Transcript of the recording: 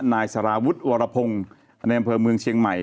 นายสารวุฒิวรพงศ์ในอำเภอเมืองเชียงใหม่